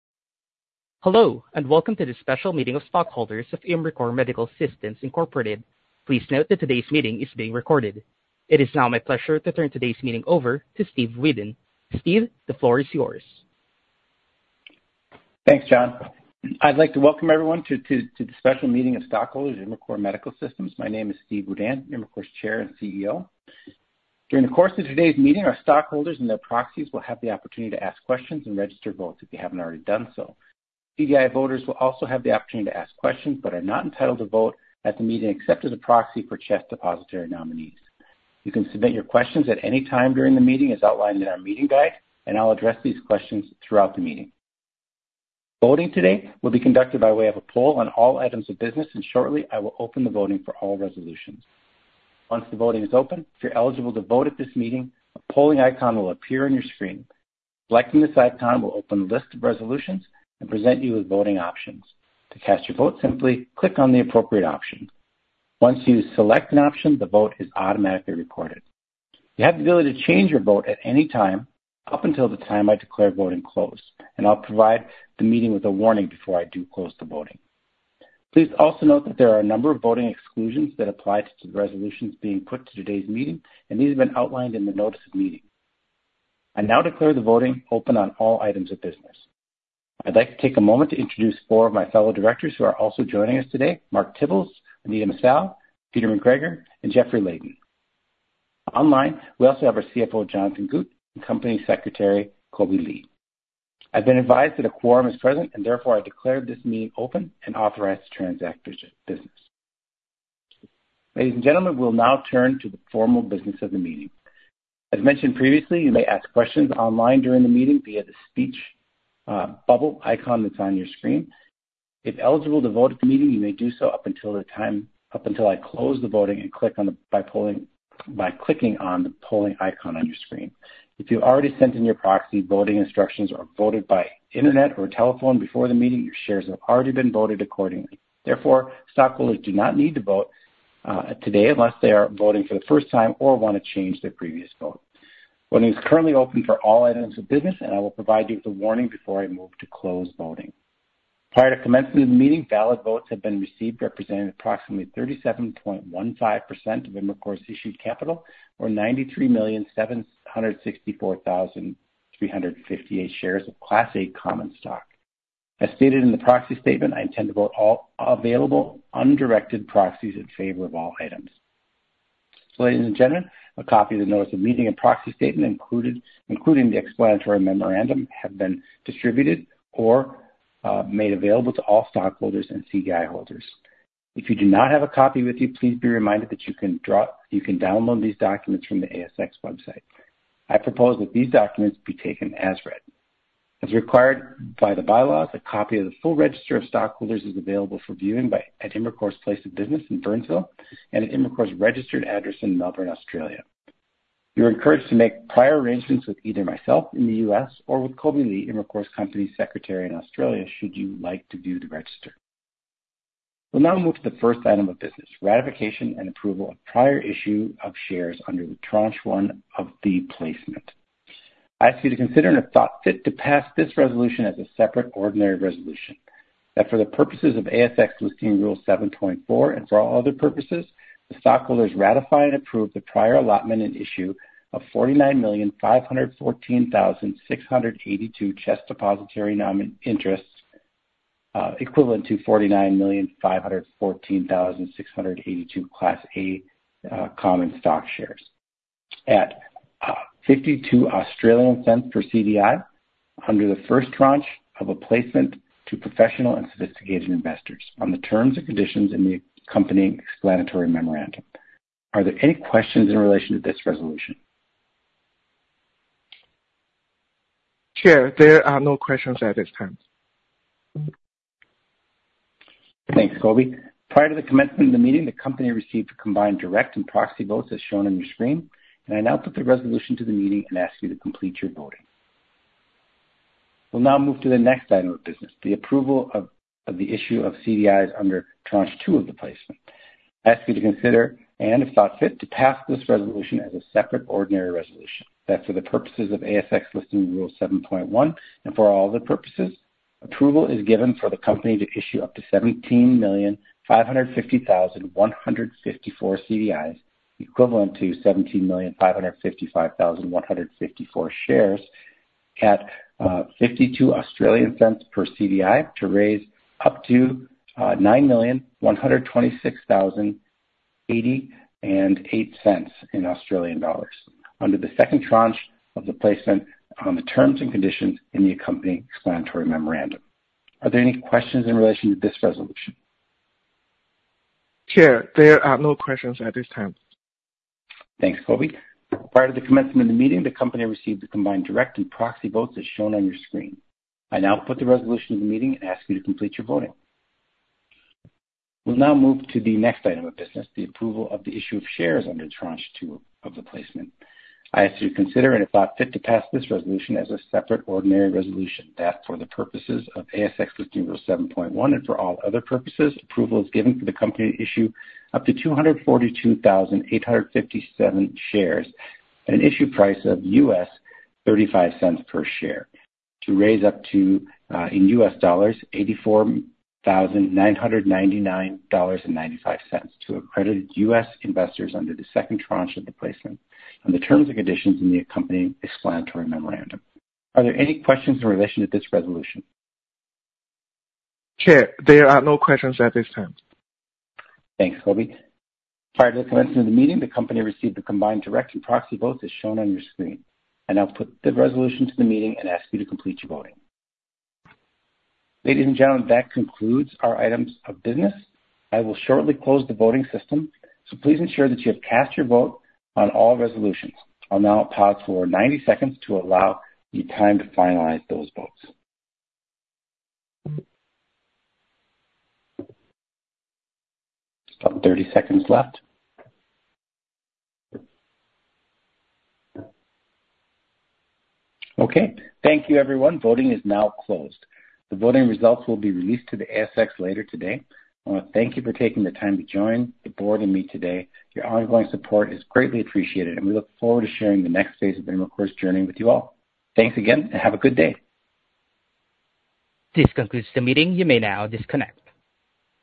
Hello, and welcome to this special meeting of stockholders of Imricor Medical Systems, Inc. Please note that today's meeting is being recorded. It is now my pleasure to turn today's meeting over to Steve Wedan. Steve, the floor is yours. Thanks, John. I'd like to welcome everyone to the special meeting of stockholders, Imricor Medical Systems. My name is Steve Wedan, Imricor's Chair and CEO. During the course of today's meeting, our stockholders and their proxies will have the opportunity to ask questions and register votes if you haven't already done so. CDI voters will also have the opportunity to ask questions, but are not entitled to vote at the meeting, except as a proxy for CHESS Depositary Nominees. You can submit your questions at any time during the meeting, as outlined in our meeting guide, and I'll address these questions throughout the meeting. Voting today will be conducted by way of a poll on all items of business, and shortly I will open the voting for all resolutions. Once the voting is open, if you're eligible to vote at this meeting, a polling icon will appear on your screen. Selecting this icon will open a list of resolutions and present you with voting options. To cast your vote, simply click on the appropriate option. Once you select an option, the vote is automatically recorded. You have the ability to change your vote at any time, up until the time I declare voting closed, and I'll provide the meeting with a warning before I do close the voting. Please also note that there are a number of voting exclusions that apply to the resolutions being put to today's meeting, and these have been outlined in the notice of meeting. I now declare the voting open on all items of business. I'd like to take a moment to introduce four of my fellow directors who are also joining us today, Mark Tibbles, Anita Messal, Peter McGregor, and Jeffrey Leighton. Online, we also have our CFO, Jonathon Gut, and Company Secretary, Kobe Li. I've been advised that a quorum is present, and therefore I declare this meeting open and authorized to transact business. Ladies and gentlemen, we'll now turn to the formal business of the meeting. As mentioned previously, you may ask questions online during the meeting via the speech bubble icon that's on your screen. If eligible to vote at the meeting, you may do so up until the time up until I close the voting and click on the by polling by clicking on the polling icon on your screen. If you already sent in your proxy, voting instructions, or voted by internet or telephone before the meeting, your shares have already been voted accordingly. Therefore, stockholders do not need to vote today unless they are voting for the first time or wanna change their previous vote. Voting is currently open for all items of business, and I will provide you with a warning before I move to close voting. Prior to commencement of the meeting, ballot votes have been received, representing approximately 37.15% of Imricor's issued capital, or 93,764,358 shares of Class A common stock. As stated in the proxy statement, I intend to vote all available undirected proxies in favor of all items. Ladies and gentlemen, a copy of the notice of meeting and proxy statement included, including the explanatory memorandum, have been distributed or made available to all stockholders and CDI holders. If you do not have a copy with you, please be reminded that you can download these documents from the ASX website. I propose that these documents be taken as read. As required by the bylaws, a copy of the full register of stockholders is available for viewing at Imricor Medical Systems' place of business in Burnsville and at Imricor Medical Systems' registered address in Melbourne, Australia. You're encouraged to make prior arrangements with either myself in the U.S. or with Kobe Li, Imricor Medical Systems' Company Secretary in Australia, should you like to view the register. We'll now move to the first item of business, ratification and approval of prior issue of shares under the tranche one of the placement. I ask you to consider and if thought fit, to pass this resolution as a separate ordinary resolution. That for the purposes of ASX Listing Rule 7.4, and for all other purposes, the stockholders ratify and approve the prior allotment and issue of 49,514,682 CHESS Depositary Interests, equivalent to 49,514,682 Class A common stock shares. At 0.52 per CDI, under the first tranche of a placement to professional and sophisticated investors, on the terms and conditions in the accompanying explanatory memorandum. Are there any questions in relation to this resolution? Chair, there are no questions at this time. Thanks, Kobe. Prior to the commencement of the meeting, the company received combined direct and proxy votes, as shown on your screen, and I now put the resolution to the meeting and ask you to complete your voting. We'll now move to the next item of business, the approval of the issue of CDIs under tranche two of the placement. I ask you to consider, and if thought fit, to pass this resolution as a separate ordinary resolution. That for the purposes of ASX Listing Rule 7.1, and for all other purposes, approval is given for the company to issue up to 17,550,154 CDIs, equivalent to 17,555,154 shares at 0.52 per CDI to raise up to 9,126.88 Australian dollars, under the second tranche of the placement on the terms and conditions in the accompanying explanatory memorandum. Are there any questions in relation to this resolution? Chair, there are no questions at this time. Thanks, Kobe. Prior to the commencement of the meeting, the company received the combined direct and proxy votes, as shown on your screen. I now put the resolution to the meeting and ask you to complete your voting. We'll now move to the next item of business, the approval of the issue of shares under tranche two of the placement. I ask you to consider, and if thought fit, to pass this resolution as a separate ordinary resolution. That for the purposes of ASX Listing Rule 7.1, and for all other purposes, approval is given for the company to issue up to 242,857 shares at an issue price of $0.35 per share to raise up to, in US dollars, $84,999.95 to accredited US investors under the second tranche of the placement, on the terms and conditions in the accompanying explanatory memorandum. Are there any questions in relation to this resolution? Chair, there are no questions at this time. Thanks, Kobe. Prior to the commencement of the meeting, the company received the combined direct and proxy votes, as shown on your screen. I now put the resolution to the meeting and ask you to complete your voting. Ladies and gentlemen, that concludes our items of business. I will shortly close the voting system, so please ensure that you have cast your vote on all resolutions. I'll now pause for 90 seconds to allow you time to finalize those votes. About 30 seconds left. Okay. Thank you, everyone. Voting is now closed. The voting results will be released to the ASX later today. I wanna thank you for taking the time to join the board and me today. Your ongoing support is greatly appreciated, and we look forward to sharing the next phase of Imricor's journey with you all. Thanks again, and have a good day. This concludes the meeting. You may now disconnect.